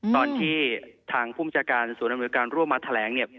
ตอนที่ทางภูมิจารณ์สวนอำนวยการร่วมมาแถลง